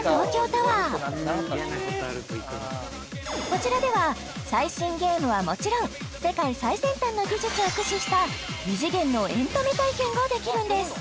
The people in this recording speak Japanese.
こちらでは最新ゲームはもちろん世界最先端の技術を駆使した異次元のエンタメ体験ができるんです